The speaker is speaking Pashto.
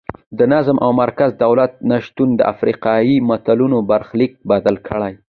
د نظم او مرکزي دولت نشتون د افریقایي ملتونو برخلیک بدل کړ.